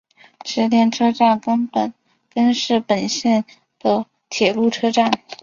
池田车站根室本线的铁路车站。